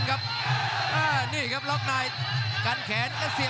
อ่ากับแต้งตี